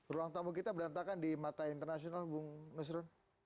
ruang tamu kita berantakan di mata internasional bung nusron